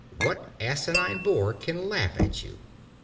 What asinine boor can laugh at you?